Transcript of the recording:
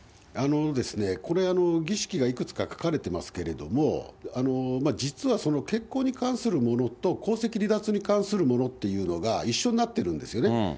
これ、儀式がいくつか書かれてますけれども、実はその結婚に関するものと、皇籍離脱に関するものっていうのが一緒になってるんですよね。